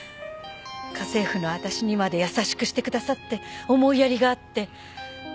家政婦のわたしにまで優しくしてくださって思いやりがあって。